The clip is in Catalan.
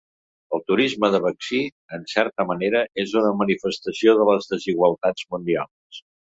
El turisme de vaccí, en certa manera, és una manifestació de les desigualtats mundials.